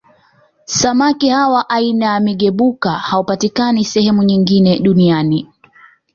Samaki hawa aina ya Migebuka hawapatikani sehemu nyingine Duniani